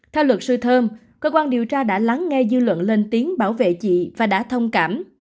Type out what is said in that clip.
theo luật sư thơm cơ quan điều tra đã lắng nghe dư luận lên tiếng bảo vệ chị và đã thông cảm